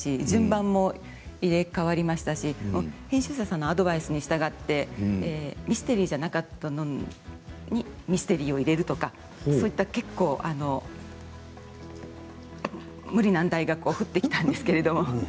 順番も入れ代わりましたし編集者さんのアドバイスに従ってミステリーじゃなかったのにミステリーを入れるとかそういった結構無理難題が降ってきたんですけれども。